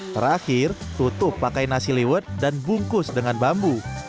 terakhir tutup pakai nasi liwet dan bungkus dengan bambu